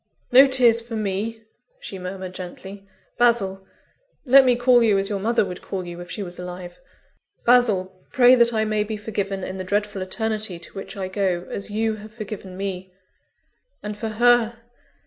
"No tears for me!" she murmured gently. "Basil! let me call you as your mother would call you if she was alive Basil! pray that I may be forgiven in the dreadful Eternity to which I go, as you have forgiven me! And, for _her?